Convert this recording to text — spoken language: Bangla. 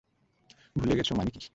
ভুলে গেছ মানে কী?